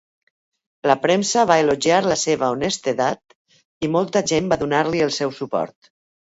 La premsa va elogiar la seva honestedat, i molta gent va donar-li el seu suport.